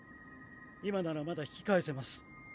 今ならまだ引き返せます。